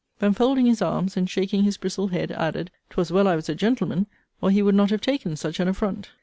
Then folding his arms, and shaking his bristled head, added, 'twas well I was a gentleman, or he would not have taken such an affront.